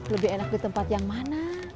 lebih enak di tempat yang mana